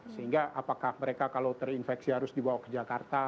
sehingga apakah mereka kalau terinfeksi harus dibawa ke jakarta